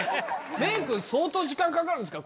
メイク時間かかるんですか？